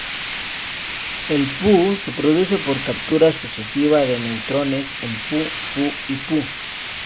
El Pu se produce por captura sucesiva de neutrones en Pu, Pu y Pu.